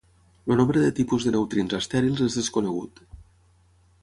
El nombre de tipus de neutrins estèrils és desconegut.